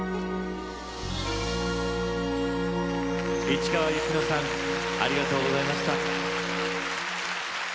市川由紀乃さんありがとうございました。